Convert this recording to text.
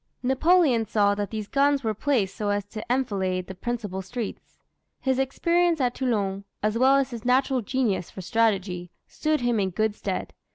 Napoleon saw that these guns were placed so as to enfilade the principal streets. His experience at Toulon, as well as his natural genius for strategy, stood him in good stead.